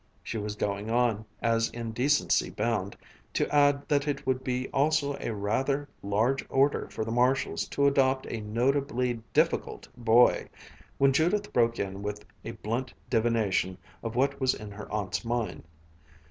She was going on, as in decency bound, to add that it would be also rather a large order for the Marshalls to adopt a notably "difficult" boy, when Judith broke in with a blunt divination of what was in her aunt's mind.